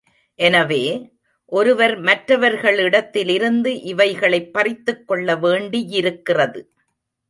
எனவே, ஒருவர் மற்றவர்களிடத்திலிருந்து இவைகளைப் பறித்துக் கொள்ளவேண்டி யிருக்கிறது.